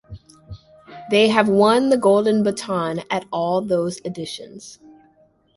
They have won the Golden Baton at all those editions.